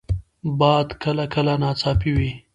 باد کله کله ناڅاپي وي